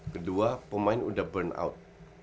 kedua pemain udah burn out